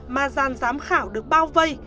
mà gian giám khảo được bao vây